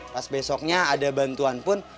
pas besoknya ada bantuan pun